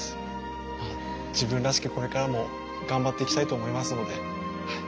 まあ自分らしくこれからも頑張っていきたいと思いますのではい